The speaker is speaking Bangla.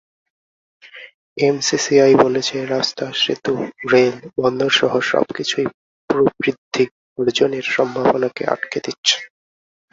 এমসিসিআই বলেছে, রাস্তা, সেতু, রেল, বন্দরসহ সবকিছুই প্রবৃদ্ধি অর্জনের সম্ভাবনাকে আটকে দিচ্ছে।